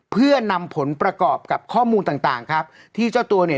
เพื่อนำผลประกอบกับข้อมูลต่างต่างครับที่เจ้าตัวเนี่ย